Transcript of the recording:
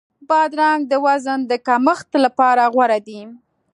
بادرنګ د وزن د کمښت لپاره غوره دی.